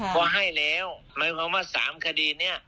เพราะให้แล้วหรือมีความว่า๓คดีเนี่ย